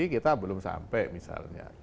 kita belum sampai misalnya